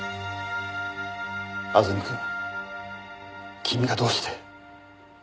あずみくん君がどうして？